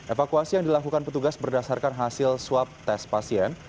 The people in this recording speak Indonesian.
evakuasi yang dilakukan petugas berdasarkan hasil swab tes pasien